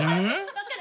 分かる。